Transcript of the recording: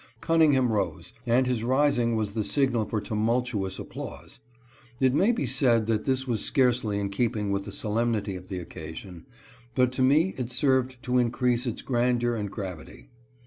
Cunningham rose, and his rising was the signal for tumultuous applause. It may be said that this was scarcely in keeping with the solemnity of the occasion, but to me it served to increase its grandeur and gravity.